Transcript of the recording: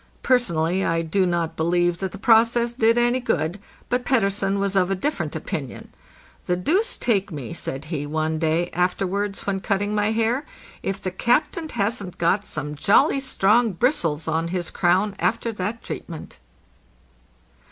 Personally I do not believe that the process did any good, but Pettersen was of a different opinion. 'The deuce take me," said he, one day afterwards when cutting my hair, 'if the captain hasn't got some jolly strong bristles on his crown after that treatment."